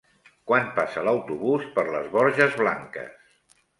Quan passa l'autobús per les Borges Blanques?